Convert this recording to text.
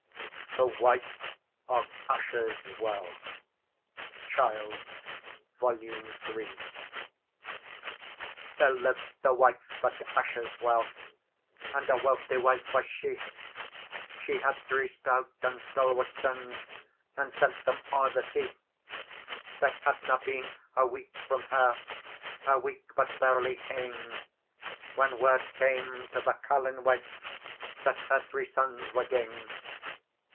THE WIFE OF USHER'S WELL (Child, vol. iii.) THERE lived a wife at Usher's Well, And a wealthy wife was she; She had three stout and stalwart sons, And sent them oer the sea, They hadna been a week from her, A week but barely ane, When word came to the carline wife That her three sons were gane.